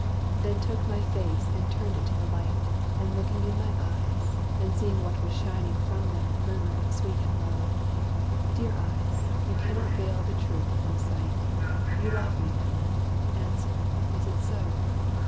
Then took my face, and turned it to the light, And looking in my eyes, and seeing what Was shining from them, murmured, sweet and low, 'Dear eyes, you cannot veil the truth from sight. You love me, Helen! answer, is it so?'